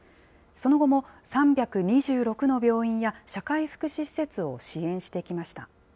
その後も３２６の病院や社会福祉施設を支援してきました。